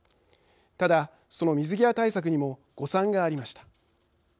ただその水際対策にも誤算がありました。